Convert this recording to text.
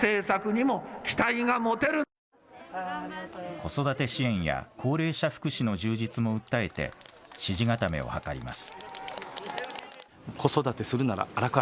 子育て支援や高齢者福祉の充実も訴えて支持固めを図ります。